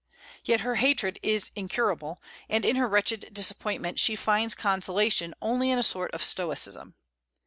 Yet her hatred is incurable; and in her wretched disappointment she finds consolation only in a sort of stoicism.